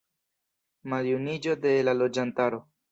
Maljuniĝo de la loĝantaro.